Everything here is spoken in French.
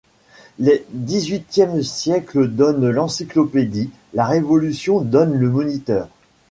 Le dix-huitième siècle donne l’Encyclopédie, la révolution donne le Moniteur.